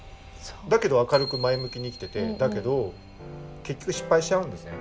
だけど明るく前向きに生きててだけど結局失敗しちゃうんですね。